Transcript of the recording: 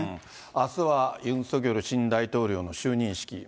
あすはユン・ソギョル新大統領の就任式。